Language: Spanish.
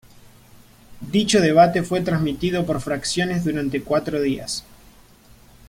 Dicho debate fue transmitido por fracciones durante cuatro días.